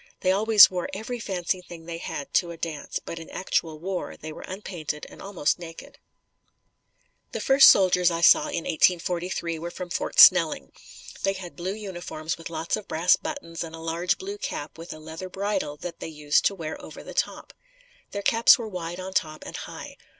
They always wore every fancy thing they had to a dance, but in actual war, they were unpainted and almost naked. The first soldiers I saw in 1843 were from Fort Snelling. They had blue uniforms with lots of brass buttons and a large blue cap with a leather bridle that they used to wear over the top. Their caps were wide on top and high.